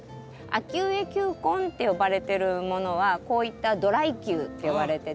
秋植え球根って呼ばれてるものはこういったドライ球って呼ばれてて。